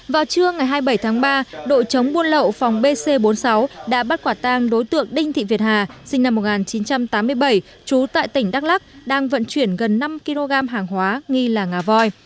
vào trưa ngày hai mươi bảy tháng ba đội chống buôn lậu phòng bc bốn mươi sáu đã bắt quả tang đối tượng đinh thị việt hà sinh năm một nghìn chín trăm tám mươi bảy trú tại tỉnh đắk lắc đang vận chuyển gần năm kg hàng hóa nghi là ngà voi